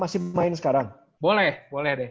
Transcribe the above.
masih main sekarang boleh boleh deh